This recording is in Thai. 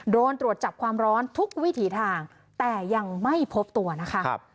โดนตรวจจับความร้อนทุกวิถีทางแต่ยังไม่พบตัวนะคะ